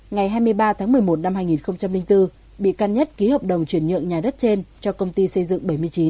ngày hai mươi ba tháng một mươi một năm hai nghìn bốn bị can nhất ký hợp đồng chuyển nhượng nhà đất trên cho công ty xây dựng bảy mươi chín